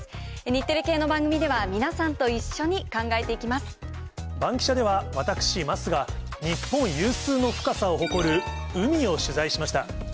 日テレ系の番組では、バンキシャでは、私、桝が、日本有数の深さを誇る海を取材しました。